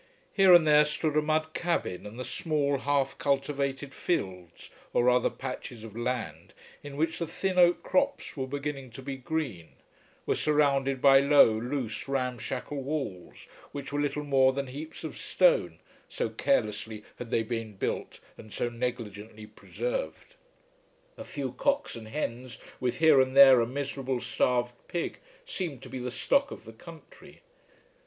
Here and there stood a mud cabin, and the small, half cultivated fields, or rather patches of land, in which the thin oat crops were beginning to be green, were surrounded by low loose ramshackle walls, which were little more than heaps of stone, so carelessly had they been built and so negligently preserved. A few cocks and hens with here and there a miserable, starved pig seemed to be the stock of the country.